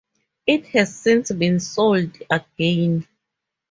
It has since been sold again.